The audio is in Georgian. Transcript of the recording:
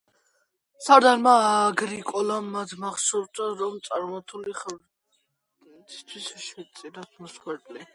სარდალმა აგრიკოლამ მათ მოსთხოვა, რომ წარმართული ღმერთებისთვის შეეწირათ მსხვერპლი.